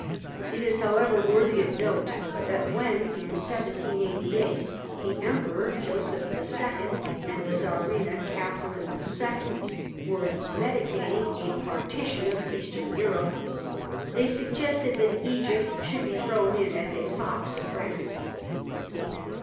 It is, however, worthy of note that when in 1788 the Emperor Joseph II. and the Czarina Catherine II. were medi tating a partition of Eastern Europe, they suggested that Egypt should be thrown as a sop to France.